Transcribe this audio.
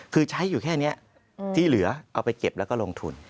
คือใช้อยู่แค่นี้ที่เหลือเอาไปเก็บแล้วก็ลงทุน